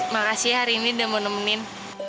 makasih hari ini udah mau nemenin